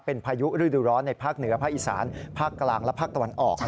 เป็นพายุฤดูร้อนในภาคเหนือภาคอีสานภาคกลางและภาคตะวันออก